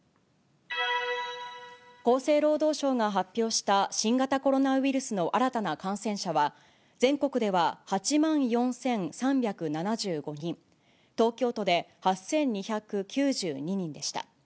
厚生労働省が発表した新型コロナウイルスの新たな感染者は、全国では８万４３７５人、東京都で８２９２人でした。